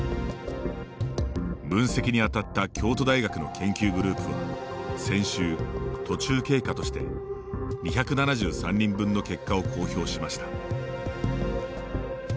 分析にあたった京都大学の研究グループは先週、途中経過として２７３人分の結果を公表しました。